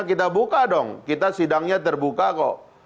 kita buka dong kita sidangnya terbuka kok